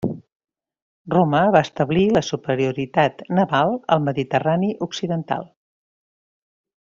Roma va establir la superioritat naval al mediterrani occidental.